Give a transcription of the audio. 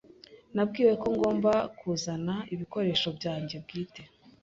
Nabwiwe ko ngomba kuzana ibikoresho byanjye bwite.